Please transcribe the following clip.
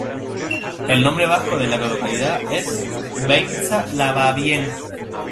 El nombre vasco de la localidad es "Beintza-Labaien".